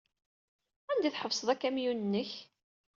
Anda ay tḥebbseḍ akamyun-nnek?